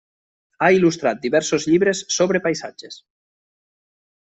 Ha il·lustrat diversos llibres sobre paisatges.